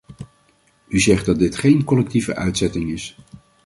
U zegt dat dit geen collectieve uitzetting is.